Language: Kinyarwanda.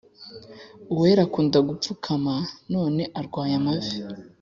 uwera akunda gupfukama none arwaye amavi